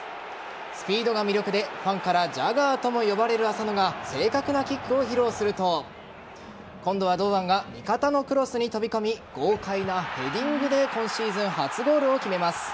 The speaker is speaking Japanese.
スピードが魅力でファンからジャガーとも呼ばれる浅野が正確なキックを披露すると今度は堂安が味方のクロスに飛び込み豪快なヘディングで今シーズン初ゴールを決めます。